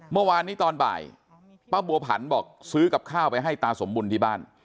เมื่อวานนี้ตอนบ่ายป้าบัวผันบอกซื้อกับข้าวไปให้ตาสมบุญที่บ้าน